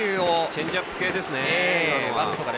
チェンジアップ系ですね。